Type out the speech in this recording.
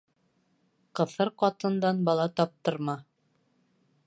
Ҡыҫыр ҡатындан бала таптырма.